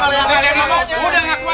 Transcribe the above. udah ngaku aja